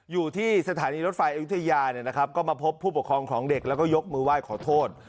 อยู่ที่สถานีรถไฟอายุทยาเนี่ยนะครับก็มาพบผู้ปกครองของเด็กแล้วก็ยกมือไหว้ขอโทษ